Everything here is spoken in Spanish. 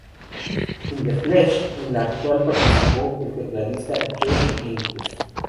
In the Flesh", en el cual participó el tecladista Josh Pincus.